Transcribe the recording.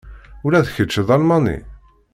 Ula d kečč d Almani?